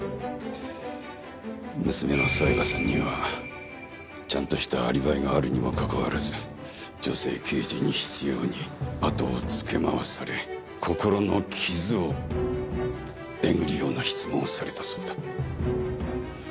娘のさやかさんにはちゃんとしたアリバイがあるにもかかわらず女性刑事に執拗にあとをつけ回され心の傷をえぐるような質問をされたそうだ。